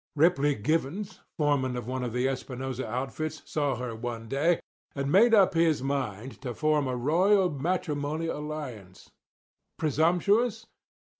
Ripley Givens, foreman of one of the Espinosa outfits, saw her one day, and made up his mind to form a royal matrimonial alliance. Presumptuous?